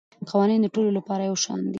قوانین د ټولو لپاره یو شان دي.